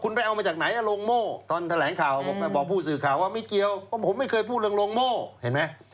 คุณไปเอามาจากไหนโรงโม่ตอนแถลงข่าวบอกผู้สื่อข่าวว่าไม่เกี่ยวเพราะผมไม่เคยพูดเรื่องโรงโม่เห็นไหม